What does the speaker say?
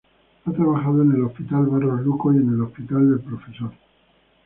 Ha trabajado en el Hospital Barros Luco y en el Hospital del Profesor.